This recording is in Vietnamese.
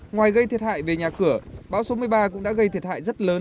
ngoài gây thiệt hại về nhà cửa bão số một mươi ba cũng đã gây thiệt hại rất lớn